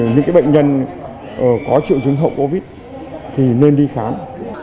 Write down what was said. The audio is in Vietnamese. những bệnh nhân có triệu chứng hậu covid thì nên đi khám